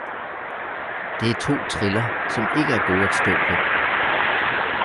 Det er to triller, som ikke er gode at stå på